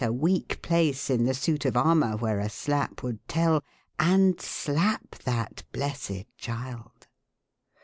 a weak place; in the suit of armour where a slap would tell, and slap that blessed child.